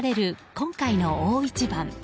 今回の大一番。